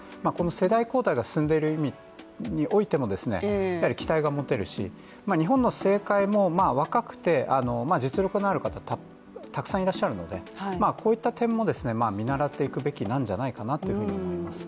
世代交代が進んでいる意味においても期待が持てるし、日本の政界も若くて実力のある方、たくさんいらっしゃるので、こういった点も見習っていくべきなんじゃないかと思います。